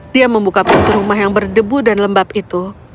dia membuka pintu rumah yang berdebu dan lembab itu